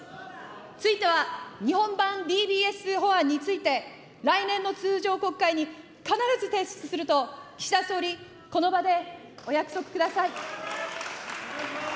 ついては、日本版ＤＢＳ法案について、来年の通常国会に必ず提出すると岸田総理、この場でお約束ください。